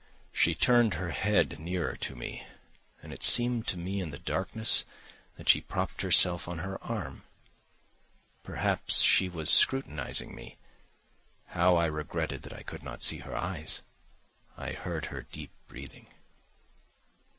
She turned her head nearer to me, and it seemed to me in the darkness that she propped herself on her arm. Perhaps she was scrutinising me. How I regretted that I could not see her eyes. I heard her deep breathing.